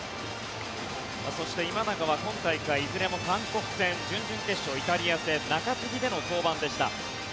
そして今永は今大会いずれも韓国戦準々決勝、イタリア戦中継ぎでの登板でした。